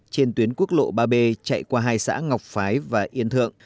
trên tuyến quốc lộ ba b chạy qua hai xã ngọc phái và yên thượng